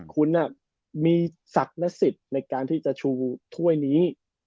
คุณมีศักดิ์นสิทธิ์ในการที่จะชูถ้วยนี้